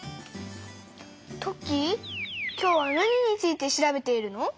トッキー今日は何について調べているの？